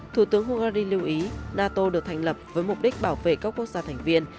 thủ tướng hungary lưu ý nato được thành lập với mục đích bảo vệ các quốc gia thành viên